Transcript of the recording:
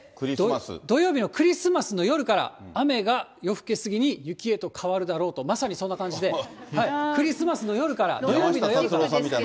土曜日のクリスマスの夜から、雨が夜更け過ぎに雪へと変わるだろうと、まさにそんな感じで、クリスマスの夜から土曜日の夜から。